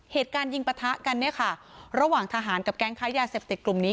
เหตุการณ์ยิงปะทะกันเนี่ยค่ะระหว่างทหารกับแก๊งค้ายาเสพติดกลุ่มนี้